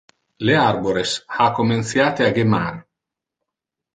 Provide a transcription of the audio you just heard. Le arbores ha comenciate a gemmar.